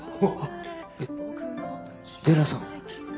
えっデラさん